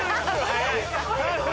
早い。